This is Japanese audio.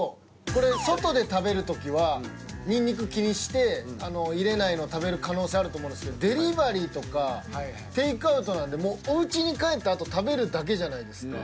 これ外で食べる時はにんにく気にして入れないの食べる可能性あると思うんですけどデリバリーとかテイクアウトなんでおうちに帰ったあと食べるだけじゃないですか。